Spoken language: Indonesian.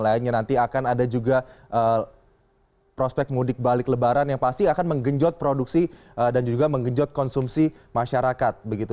lainnya nanti akan ada juga prospek mudik balik lebaran yang pasti akan menggenjot produksi dan juga menggenjot konsumsi masyarakat begitu